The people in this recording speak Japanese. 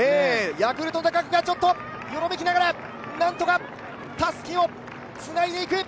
ヤクルトの高久がちょっとよろめきながら、なんとかたすきをつないでいく。